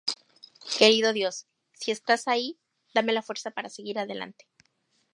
Querido Dios, si estás ahí, dame la fuerza para seguir adelante".